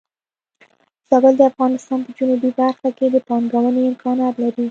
زابل د افغانستان په جنوبی برخه کې د پانګونې امکانات لري.